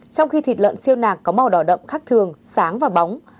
trong khi thịt lợn siêu nạc có màu đỏ đậm khắc thường sáng và bóng